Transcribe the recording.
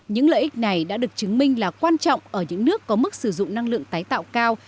những lợi ích này đã được chứng minh là quan trọng ở những nước có mức sử dụng năng lượng tái tạo cao